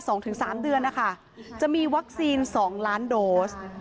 สองถึงสามเดือนนะคะจะมีวัคซีนสองล้านโดส